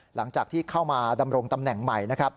หลังจากที่เข้ามาดำรงตำแหน่งใหม่นะครับ